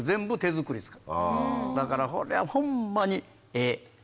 だからこりゃホンマにええ。